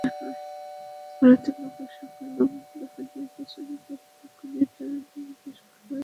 ভারতের লোকসভার নবম দফার নির্বাচনে কাল ভাগ্য নির্ধারণ হবে বেশ কয়েকজন তারকার।